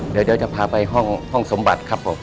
เดี๋ยวจะพาไปห้องสมบัติครับผม